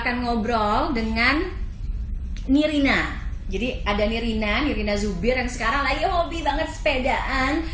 akan ngobrol dengan nirina jadi ada nirina nirina zubir yang sekarang lagi hobi banget sepedaan